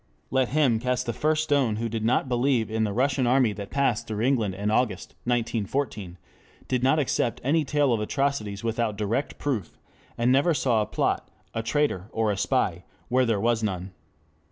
Let him cast the first stone who did not believe in the Russian army that passed through England in August, 1914, did not accept any tale of atrocities without direct proof, and never saw a plot, a traitor, or a spy where there was none.